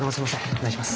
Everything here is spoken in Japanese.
お願いします。